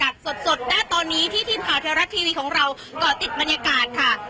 สดหน้าตอนนี้ที่ทีมข่าวเทวรัฐทีวีของเราก่อติดบรรยากาศค่ะ